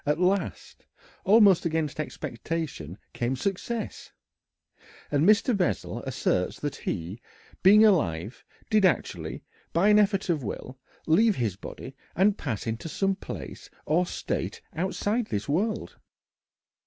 At last, almost against expectation, came success. And Mr. Bessel asserts that he, being alive, did actually, by an effort of will, leave his body and pass into some place or state outside this world.